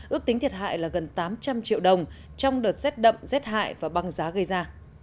ước tính thiệt hại là gần tám trăm linh triệu đồng trong đợt rét đậm rét hại và băng giá gây ra